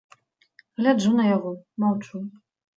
Гляджу на яго, маўчу.